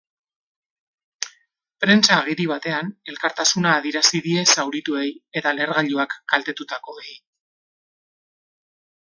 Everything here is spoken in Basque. Prentsa agiri batean, elkartasuna adierazi die zaurituei eta lehergailuak kaltetutakoei.